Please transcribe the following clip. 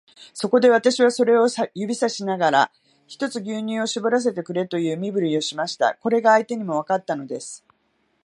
そこで、私はそれを指さしながら、ひとつ牛乳をしぼらせてくれという身振りをしました。これが相手にもわかったのです。